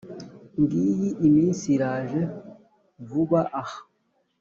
ngiyi iminsi iraje vuba aha